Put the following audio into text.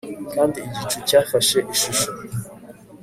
Kandi igicu cyafashe ishusho